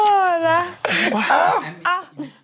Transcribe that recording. โทรมาด่า